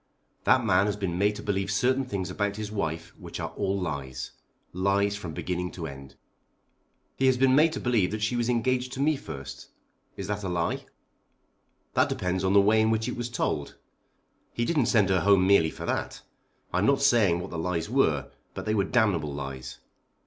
"That man has been made to believe certain things about his wife which are all lies, lies from beginning to end." "He has been made to believe that she was engaged to me first. Is that a lie?" "That depends on the way in which it was told. He didn't send her home merely for that. I am not saying what the lies were, but they were damnable lies.